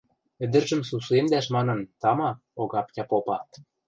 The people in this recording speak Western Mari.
Ӹдӹржӹм сусуэмдӓш манын, тама, Огаптя попа: